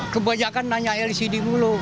kebanyakan nanya lcd mulu